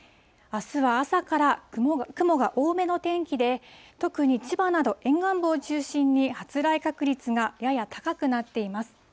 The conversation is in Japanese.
あすは朝から雲が多めの天気で、特に千葉など沿岸部を中心に発雷確率がやや高くなっています。